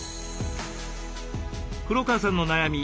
黒川さんの悩み